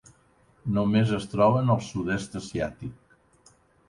Només es troben al sud-est asiàtic.